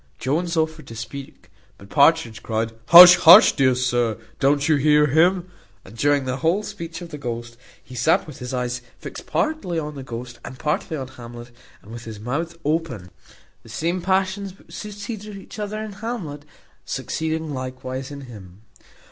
Jones offered to speak, but Partridge cried "Hush, hush! dear sir, don't you hear him?" And during the whole speech of the ghost, he sat with his eyes fixed partly on the ghost and partly on Hamlet, and with his mouth open; the same passions which succeeded each other in Hamlet, succeeding likewise in him.